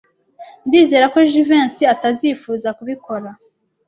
Ndizera ko Jivency atazifuza kubikora.